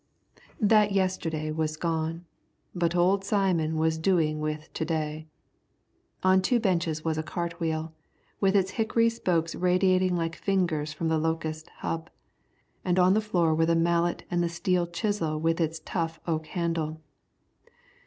That yesterday was gone, but old Simon was doing with to day. On two benches was a cart wheel, with its hickory spokes radiating like fingers from the locust hub, and on the floor were the mallet and the steel chisel with its tough oak handle.